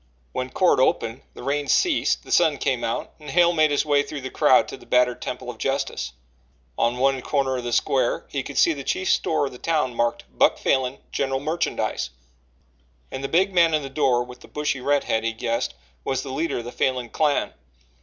When court opened, the rain ceased, the sun came out and Hale made his way through the crowd to the battered temple of justice. On one corner of the square he could see the chief store of the town marked "Buck Falin General Merchandise," and the big man in the door with the bushy redhead, he guessed, was the leader of the Falin clan.